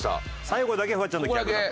最後だけフワちゃんと逆だと。